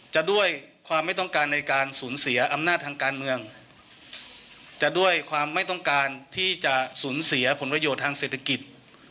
จะด้วยความไม่ต้องการในการสูญเสียอำนาจทางการเมืองจะด้วยความไม่ต้องการที่จะสูญเสียผลประโยชน์ทางเศรษฐกิจ